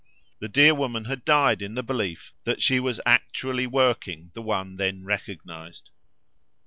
The dear woman had died in the belief that she was actually working the one then recognised.